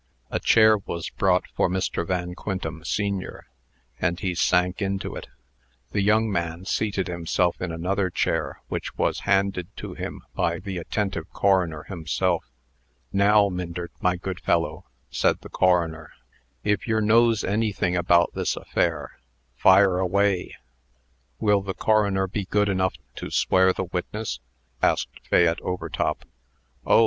A chair was brought for Mr. Van Quintem, sen., and he sank into it. The young man seated himself in another chair which was handed to him by the attentive coroner himself. "Now, Myndert, my good fellow," said the coroner, "if yer knows anything about this affair, fire away." "Will the coroner be good enough to swear the witness?" asked Fayette Overtop. "Oh!